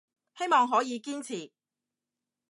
希望可以堅持